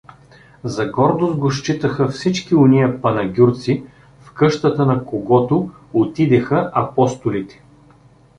За гордост го считаха всички ония панагюрци, в къщата на когото отидеха апостолите.